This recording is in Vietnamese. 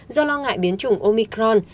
do lo ngại biến chủng omicron